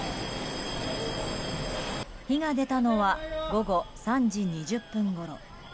火が出たのは午後３時２０分ごろ。